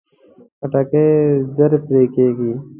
خټکی ژر پرې کېږي.